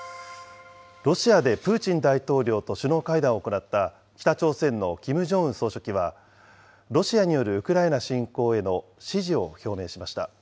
ロシアでプーチン大統領と首脳会談を行った北朝鮮のキム・ジョンウン総書記は、ロシアによるウクライナ侵攻への支持を表明しました。